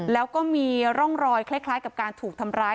แล้วก็มีร่องรอยคล้ายกับการถูกทำร้าย